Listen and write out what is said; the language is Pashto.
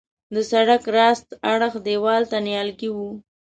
د سړک راست اړخ دیوال ته نیالګي وه.